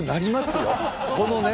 このね